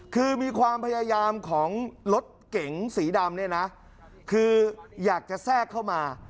คือมีความพยายามของรถเก๋งสีดำเนี่ยนะคืออยากจะแทรกเข้ามา